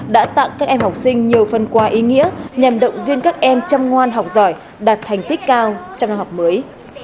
đã tặng các em học sinh nhiều phần quà ý nghĩa nhằm động viên các em chăm ngoan học giỏi đạt thành tích cao trong năm học mới